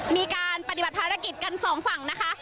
มีการปฏิบัติภารกิจกันสองฝั่งนะคะ